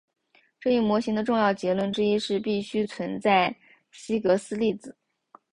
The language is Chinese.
这一模型的重要结论之一是必须存在希格斯粒子。